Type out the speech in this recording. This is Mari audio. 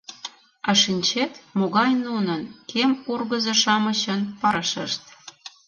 А шинчет, могай нунын, кем ургызо-шамычын, парышышт!